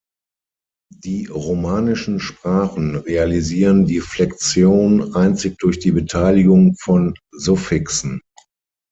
Die romanischen Sprachen realisieren die Flexion einzig durch die Beteiligung von Suffixen.